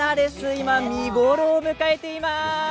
今、見頃を迎えています。